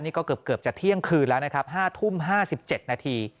นี่ก็เกือบจะเที่ยงคืนแล้วนะครับ๕ทุ่ม๕๗นาที